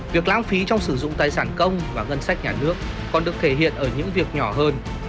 việc lãng phí trong sử dụng tài sản công và ngân sách nhà nước còn được thể hiện ở những việc nhỏ hơn